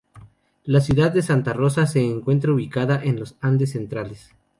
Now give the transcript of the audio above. La ciudad de Santa Rosa se encuentra ubicada en los Andes Centrales.